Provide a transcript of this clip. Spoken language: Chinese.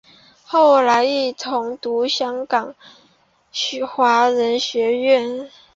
后来一同入读香港华仁书院。